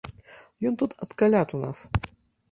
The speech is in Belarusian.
Ён тут ад каляд у нас.